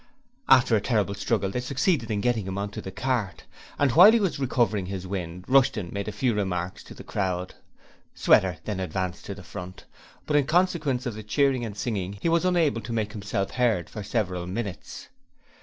After a terrible struggle they succeeded in getting him on to the cart, and while he was recovering his wind, Rushton made a few remarks to the crowd. Sweater then advanced to the front, but in consequence of the cheering and singing, he was unable to make himself heard for several minutes.